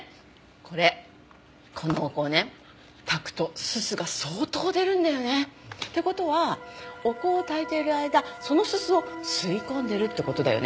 これこのお香ねたくと煤が相当出るんだよね。って事はお香をたいている間その煤を吸い込んでるって事だよね？